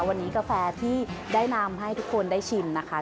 วันนี้กาแฟที่ได้นำให้ทุกคนได้ชิมนะคะ